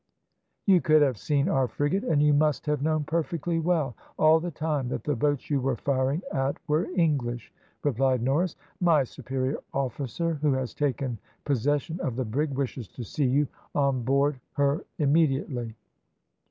"`You could have seen our frigate, and you must have known perfectly well all the time that the boats you were firing at were English,' replied Norris. `My superior officer, who has taken possession of the brig, wishes to see you on board her immediately.'